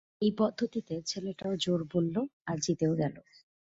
এই পদ্ধতিতে ছেলেটাও জোড় বলল, আর জিতেও গেল।